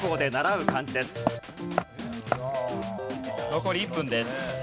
残り１分です。